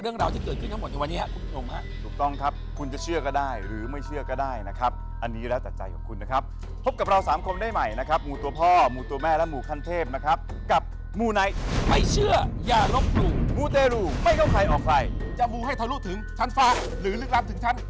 คุณค่ะขอบคุณค่ะขอบคุณค่ะขอบคุณค่ะขอบคุณค่ะขอบคุณค่ะขอบคุณค่ะขอบคุณค่ะขอบคุณค่ะขอบคุณค่ะขอบคุณค่ะขอบคุณค่ะขอบคุณค่ะขอบคุณค่ะขอบคุณค่ะขอบคุณค่ะขอบคุณค่ะขอบคุณค่ะขอบคุณค่ะขอบคุณค่ะขอบคุณค่ะขอบคุณค่ะขอบค